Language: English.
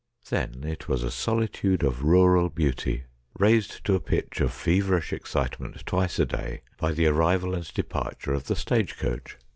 Then it was a solitude of rural beauty, raised to a pitch of feverish 1 88 STORIES WEIRD AND WONDERFUL excitement twice a day by the arrival and departure of the stage coach.